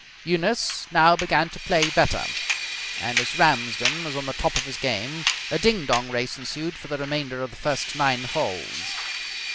Eunice now began to play better, and, as Ramsden was on the top of his game, a ding dong race ensued for the remainder of the first nine holes.